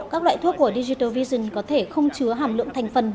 các loại thuốc của digital vision có thể không chứa hàm lượng thành phần